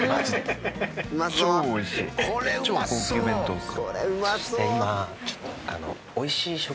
超おいしい！